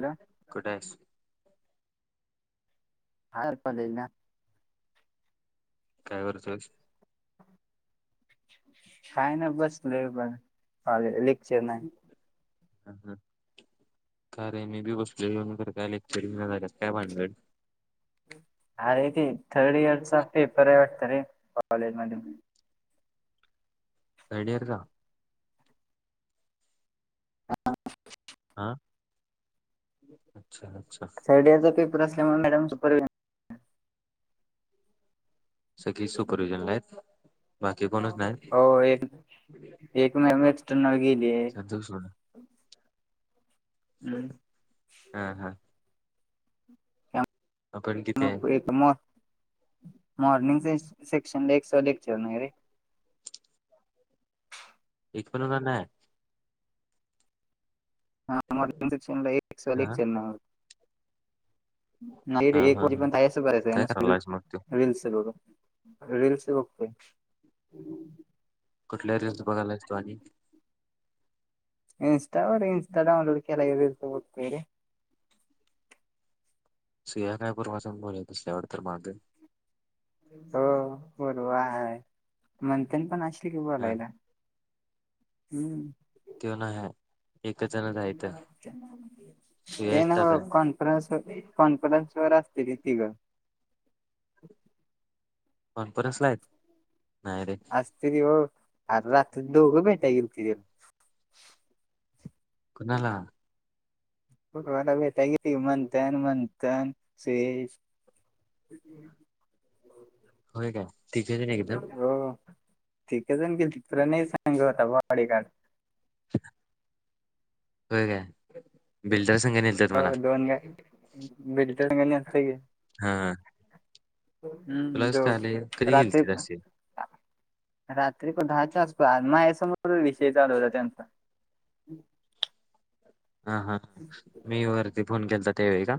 Hello कुठ हा पल ना काय करतस काय ना बस लले लखच नाही ह ह का रे मी बी बसलेन तर काय लेक्चरिंग झालं काय भांड अरे ते थर्ड इयरचा पेपर आहे वाटत रे कॉलेज मध्ये तडर हा हां अच्छा अच्छा साईडियाचा पेपर असल्यामुळे मॅडम सुपर सखी सुपरवि्हजन आहेत बाकी कोणच नाही हो एक एक मॅम एक्सटर्नल गेली आहे संतुस हम् हा हा आपण किती आहे? मग एक तर मर् मर्नंग से सेक्शन ल एक स लेक्चर ना खरे इ पण नाही हाक् हा एक नाही हा एक हा वी हा पणस बर काय करायलायस मग तू? रीलस बघ रीलस बघत कुठल्यारी जास्त बघायलातो आणि इनस्टावरर इनस्टा डउनलोड केला तोतरी सुया कायपरचून बोलत अस आवड तर मागे हो बोल आहे मंथन पण असली की हा बोलायला हम्म त्यो नाही हाय एकच जणच हाय इथं सुया ए एकटाच ना हाय. कोण न कॉनफरन्स वर असते तिघं कॉन्फरन्स ला आहेत नाही रे असत रव अर रात्री दोघ मिेटगर्तियल कणाला वाला भेटा गे त मंथन मंथन सुरेश होय काय तिथे नाही एकदम हो ते का जाण गेली त तुला नाही सांग होता भाडी का हो का हो दोन गा बे दोन गाणी अस हा तुला हम्म कसं जो कळाले कधी राात्री गेलतीस प अशी रात्री को दहाच्या वाजपो मा या समोर विषय चालवता त्यांचा हा हा मी वरती फोन केला तर तेवे का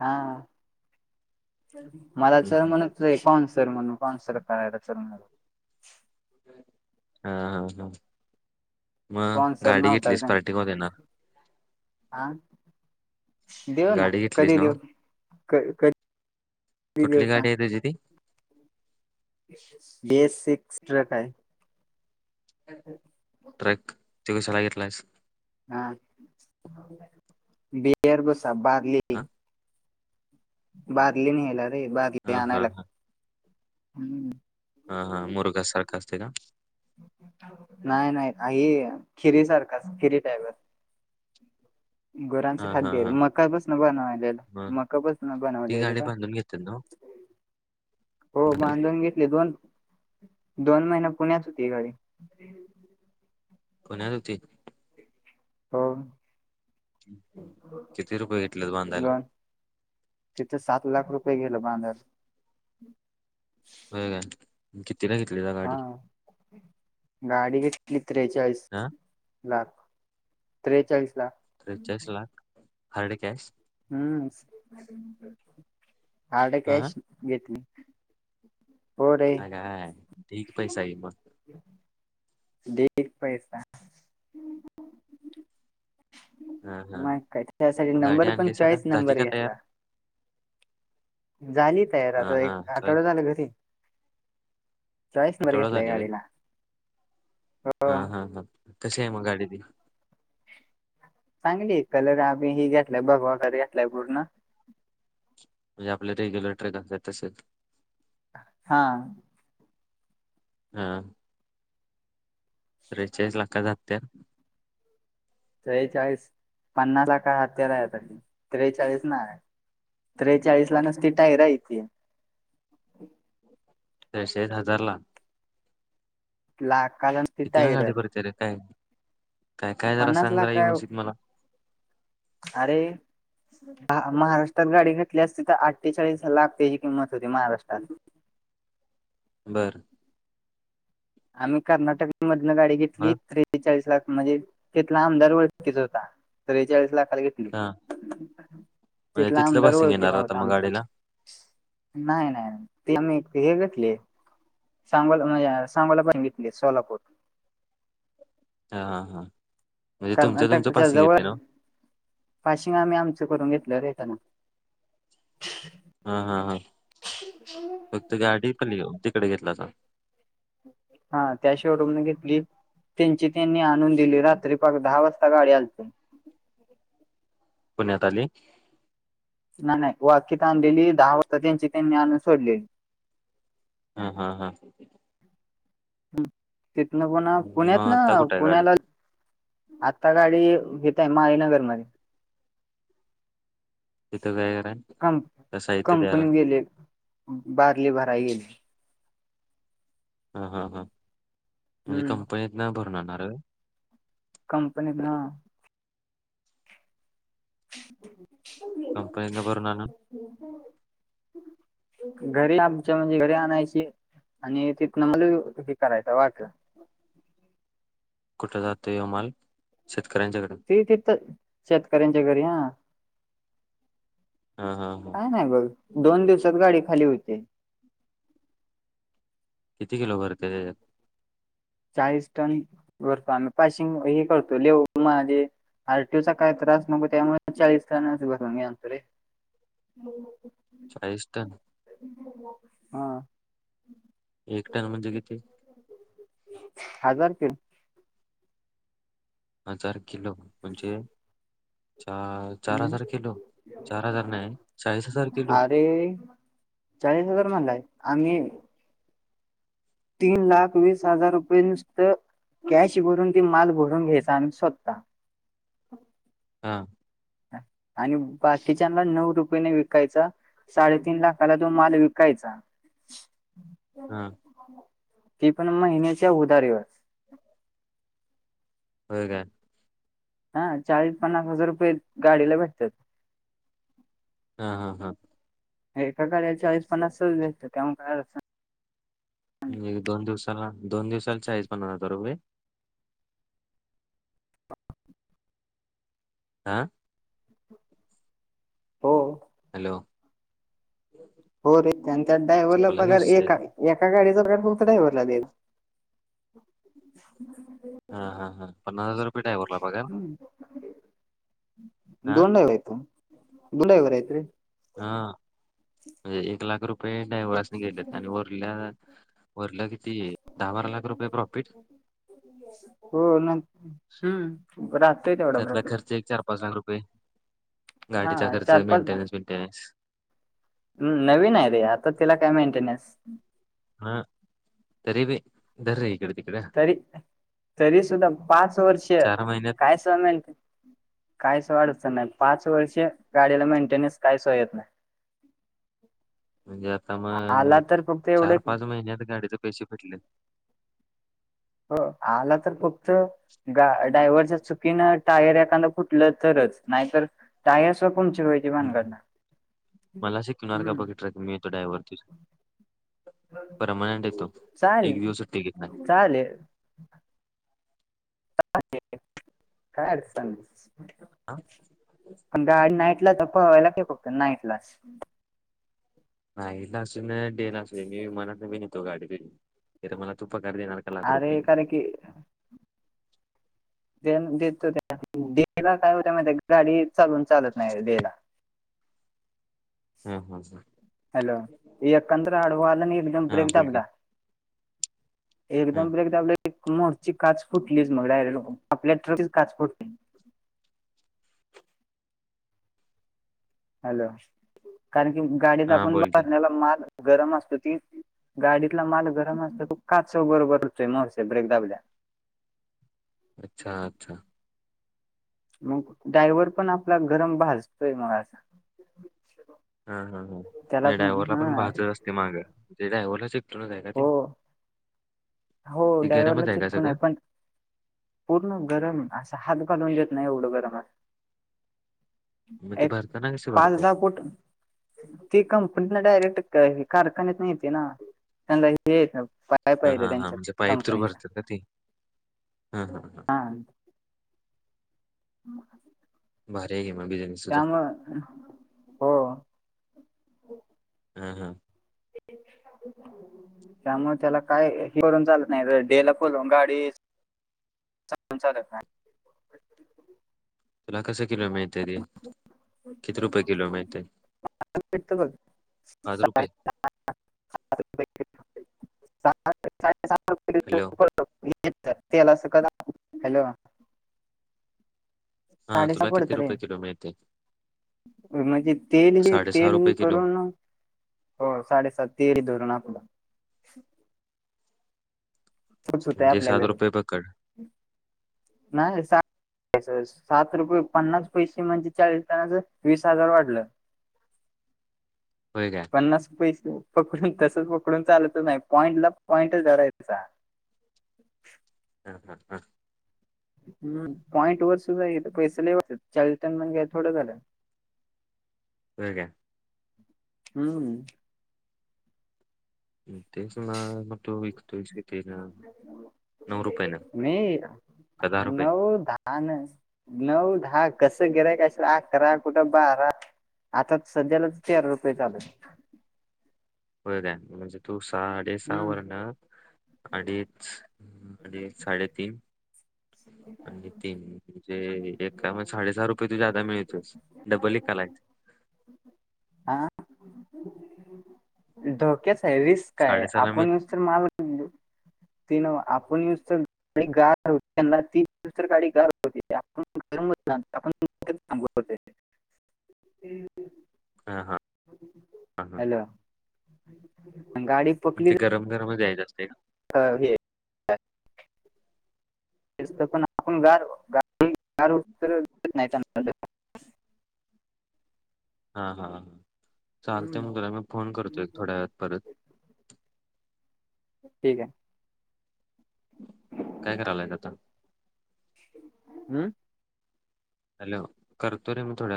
हा मला हम्म, तर हम्म. म्हण कॉन सर म्हणून कॉन्सर करायला चणार हा हा हा मग स्पॉन्सर गाडी घेतलीस पार्टींगमध्ये ना आा देऊ ना गाडी घेतलीस कधी नव्ह देऊ कधी कधी देऊ सांग ददी बे सिक्स् ट्रक आहे ट्रॅक ते कशाला घेतलायस हा बेर बोसा हा बार्ली बादली नाही यायला रे बादली हा हा आणायला हा हा हा मुरगास सारखासतघ नाही नाही ह खिरी सारखाच खिरी टाप [unintelligible] गोरांच हा हा खाद्य आहे हा मकापासून बनवालेलं मग मकापसून ती बनवलेलं गाडी का बांधून घेतात नव्ह हो बांधून घेतले दोन दोन महिने पुण्यात होती गाडी हम् कोण्यातत होती हा किती रुपये घेतलेत बांधायला दोन तिथं सात लाख रुपये गेल बांधल होय का किती ना किेतली त हा गाडी गाडी कतीली त्रेचाळीस हां लाख त्रेचाळीस लाख त्रेचाळीस लाख हार्ड कॅश हम्म हारड हा कॅश घेतली होर हा काय ठीक पैसा आहे मग देेत पैसा हा हा म काय त्यासाठी गाडी नंबर पण आणली सर चॉईस झाली नंबर का तयार घेतला झाली तयार हा आता हा एक चल आठवडा झाला घरी चाळीस नंबर आठवडा घेतलाय झाली होय गाडीला हो हा हा हा कसे आहे मग आडी त चांगली कलर आम्हीी घेतलाय बघ वगर घेतलाय पूर्ण म्हणजे आपले रेग्युलर ट्रकात असेल हा हा त्रेचाळीस लाख जात त्रेचाळीस पन्ना ला काय हत्यार आहेता त्रेचाळीस ना त्रेचाळीस ला नसती टायर यथे तशळीठ हजार ला ला का किती ना गाडी परत रे काय काय काय जरा पन्नास सांग लाख काय जरावसित मला अरे ह महाराष्ट्रात गाडी घेतली अस त तर आठ्ठेचाळीस लाख त्याची किंमत होती महाराष्ट्रात बरं आम्ही कर्नाटक मधन गाडी घेतली मग त्रेचाळीस लाख म्हणजे त्याथला आमदार ओळखकीच होता त्रेचाळीस लाखाला घेतली हा म्हणजे तिथला तिथलं आमदार पासिंग येणार ओळखेचा आता होता मग आमच्या गाडीला नाही नाही ते आही हे घेतली सांगल म्हजे सांगला बघितले सोलापूर ह हा हां म्हणजे तुमच्या तुमचं कर्नाटकच्या पासिंग जवळ येते ना पाशिंग आम्ही आमचं करून घेतलं रेट ना हा हा हा फक्त गाडी पली तिकडे घेतला अस हा त्याशिवाय रूमने घेतली त्यांची त्यांनी आणून दिली रात्री पाग दहा वाजता गाडी असलते पुण्यात आले. नाही वा अकीत आणलेली दहा वाजता त्यांची त्यांनी आणून सोडलेली. हा हा हा. तिथन पण मग पुण्यात ना आता कुठं आहे गाडी पुण्याला. आता गाडी घेतय मायनगरमध्येध्ये. तिथं काय कराय क साहित्य द्यायला कंपनी गेले बारले भरा गेले. हा हा हां म्हणजे हम्म कंपनीत ना भरूनणार. कंपनी ना कंपनीतनं भरून [inaudible] [inaudible] घरी आमच्या म्हणजे घरी आणायची आणि तिथन मला हे करायचं वाटलं. कुठ जात यमाल शेतकऱ्यांच्या घडेन ती तिथ शेतकऱ्यांच्या घरी हा. हा हा. हा. काय नाही बघ, दोन दिवसात गाडी खाली होते. किती किलो भरते? चाळीस टन भरतो. आम्ही पाशिंग हे करतो लेह माझे आरटीूचा काय त्रास नको त्यामुळे चाळीस काण्यास ब मी आणतो रे. हो. चाळीस टन. हा. एक टन म्हणजे किती? हजार किल. हजार किलो, म्हणजे चार चार हजार किलो, चार हजार नाही, चाळीस हजार किलो. अरे चाळीस हजार मणलाय आम्ही तीन लाख वीस हजार रुपये नुसतं कॅश भरून त माल भरून घ्यायचा आणि सोधता. हा. आणि बाकीच्याना नऊ रुपयेने विकायचा. साडेतीन लाखाला तो माल विकायचा. हा. ती पण महिन्याच्या उदारीवर. हो का. हा चाळीस पन्नास हजार रुपये गाडीला भेटतात. हा हा हा. एकागाड्या चाळीस पन्नास भेतो तेव्हा काय. दोन दिवसाला दोन दिवसाला चाज रुपये. आ. हो. हॅलो. हो रे त्यांच्यात डायव्हला संपला की पगर विषय. एक आहे. एका गाडीचं ग फक्त डायव्हरला द्यायचं. हा हा हा पन्ना हजार रुपये ड्रायव्हर ला पगार. हा दोडायवयतो दुडाई वयत र्री [unintelligible] हा एक लाख रुपये. रे डयव्हसने गेले आणि वरल्या वरला किती दहा बारा लाख रुपये प्रॉफिट. हो ना. हम् राहते त्यात. त्यातला खर्च एक चार, पाच लाख रुपये गाडीचा हा खर्च चार पाच मेंटेनन्स, मेंटेनन्स नवीन आहे रे आता तिला काय मेंटेनन्स हा तरी भ र आहे इकडे तिकडे तरी तरी सुद्धा पाच वर्ष चार महिन्यात काय समेल ते काहीच वाढयचं नाही पाच वर्ष गाडीला मेंटेनन्स काहीच येत नाही म्हणजे आता मग आला तर फक्त एवढं चार की- पाच महिन्यात गाडीचे पैसे भेटले हो आला तर फक्त ग ड्रायव्हरच्या चुकीनं टायर एखादं फुटलं तरच नाहीतर ता स पण य ह मला शिकवणार का हम्म बघित्र तम्ही येतो डायव्हर परमानंट येतो एक दिवसच टिकट नाही चाले खर स हा पण गाडी नाईटला तर पहावायला ठेककत नाईटलाच नाही ला अस डेला अस मी म्हणत नाही मीनेतो गाडीि मला तू पकारार देणार का लाख रुपये अरे कारण की देतो त्याला काय होत्या मा गाडी चालून चालत नाही देला हा हा हां हॅलो ये यकंद्र अडवा आन एक दम हा ब्रेक बोल दबद की हा एकदमेदा आपल्या मोरची काच फुटलीच मगड आपल्या ट्रकची काच फुटली हॅलो कारण की गाडीत हा आपण बोल की बरण्याला माल गरम असतो ती गाडीतला माल गरम असतो तू काच स बरोबरतोय मगसे ब्रेक दाबल्या. अच्छा अच्छा. मग डायव्हर पण आपला गरम भाजतोय मग अस हा हा हां डाय्हला पण हा भाजत असते मागा म्हणजे डायव्हलाच. जाय ना तेी. हो हो ड्रायव्हरला चिटकून आहे पण पूर्ण गरम असं हात घालून देत नाही एवढं गरमात मग ते एक भरताना कसे पाच भरतात हजार फोट ती कंपनीला डायरेक्ट कारखान्यात नाहीती ना त्यांना हे. पाय प हा येत हा हा त्यांच्या म्हणजे पाईप थ्रू कंपनीचा भरतात का ते हा. म भर गेम बिझनेस तुझा त्यामु हो हा हा [inaudible] त्यामुळे त्याला काय हे करून चालत नाही डेला बोल गाडी [inaudible] तुला कसं किलो माळत ते किती रुपये किलो माहती पाच रुपये रप सा सात हॅलो रपये तेला असं क हॅलो हा साडेसहा तुला पडत किती रे रुपये किलो मिळते म्हणजे तेल हे साडेसहा तेल हे रुपये किलो करून ना हो साडेसात तेरी धरून आपलं सुट सुट आहे म्हणजे आपल्या सात घरी रुपये पकड नाही सात रुपये पन्नास पैसे म्हणजे चाळीसतानाच वीस हजार वाढलं हो काय पन्नास पैसे पकडून तसच पकडून चालतच नाही पॉईंट ला पॉईंटच जवरा तसा हं हं हं हम पॉईंट वर सुद्धा यथ पैसे ललेवा चाळीस टन मण घ्या थोडं झालं हो का आहे हम्म अत्यच म व म का दहा रुपये नऊ दहा ान नऊ दहा कसं गेराय का असल अकरा कुठं बारा आता सध्यालाच तेरा रुपये चालूत व द्या म्हणजे तू सहा अडे आहे. सहा वर ना अडीच ह् आणि साडेतीन आणि तीन म्हणजे एका म साडेसहा रुपये त जादा मिळतस दडबली कालय आा धोक्याच आहे रिस्क काय साडेसहाला मिळ आपण न तर मल त न कोणीत गार हो त्यांना ती दुस गाडी गार होती थांबवतोय. हां हां हां हां हॅलो गाडी ते गरम गरमच यायचं असते का ह हे पण आपण ग कारस द नाहीचा हा हा हा चालते म तला मी फोन करतो एक थोड्या वेळात परत ठीक आहे काय करायलायेत आता हम्म हॅलो करतोरे मग थोड